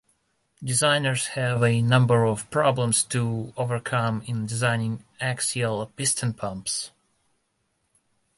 Designers have a number of problems to overcome in designing axial piston pumps.